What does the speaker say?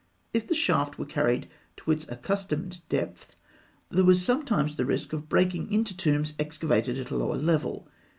If the shaft were carried to its accustomed depth, there was sometimes the risk of breaking into tombs excavated at a lower level.